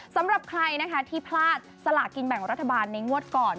สำหรับใครนะคะที่พลาดสลากินแบ่งรัฐบาลในงวดก่อน